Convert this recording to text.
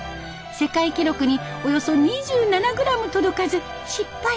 世界記録におよそ２７グラム届かず失敗。